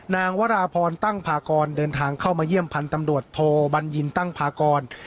วราพรตั้งพากรเดินทางเข้ามาเยี่ยมพันธ์ตำรวจโทบัญญินตั้งพากร